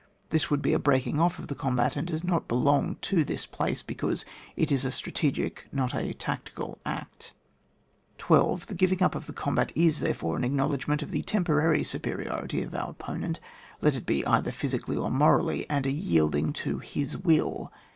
This would be a breaking off of the combat, and does not belong to this place, because it is a strategic, not a tactical act. 12. The giving up of the combat is, therefore, an acknowledgment of the temporary superiority of our opponent, let it be either physically or morally, and a yielding to h%s will.